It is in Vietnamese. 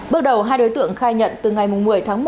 bước đầu hai đối tượng khai nhận từ ngày một mươi tháng một